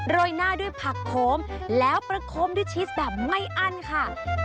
ยหน้าด้วยผักโขมแล้วประคมด้วยชีสแบบไม่อั้นค่ะ